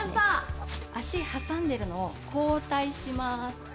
足挟んでるのを交代します。